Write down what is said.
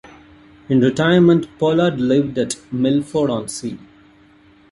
In retirement Pollard lived at Milford-on-Sea.